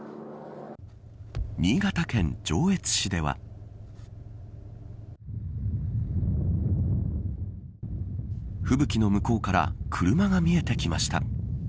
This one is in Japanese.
新潟県上越市では吹雪の向こうから車が見えてきました。